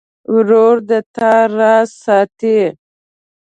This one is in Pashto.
ورور د تا راز ساتي.